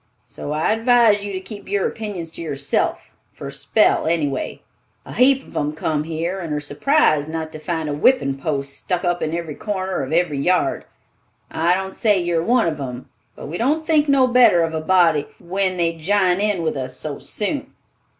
So I advise you to keep your opinions to yourself for a spell, any way. A heap on 'em come here, and are surprised not to find a whippin' post stuck up in a corner of every yard. I don't say you are one of 'em; but we don't think no better of a body when they jine in with us so soon."